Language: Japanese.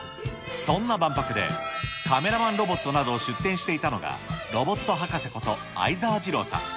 そんな万博で、カメラマンロボットなどを出展していたのが、ロボット博士こと、相澤次郎さん。